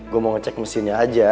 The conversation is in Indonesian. gue mau ngecek mesinnya aja